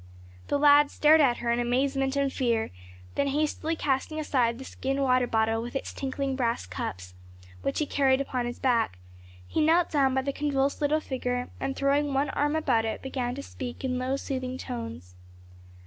The lad stared at her in amazement and fear, then hastily casting aside the skin water bottle with its tinkling brass cups, which he carried upon his back, he knelt down by the convulsed little figure, and throwing one arm about it began to speak in low soothing tones.